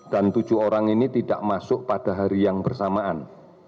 dan tujuh orang ini tidak masuk pada hari yang bersamaan